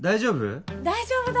大丈夫？